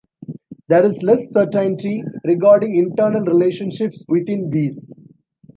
There is less certainty regarding internal relationships within these.